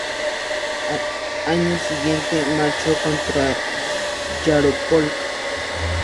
Al año siguiente, marchó contra Yaropolk.